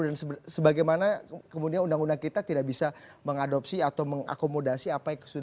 dan sebagaimana kemudian undang undang kita tidak bisa mengadopsi atau mengakomodasi apa yang sudah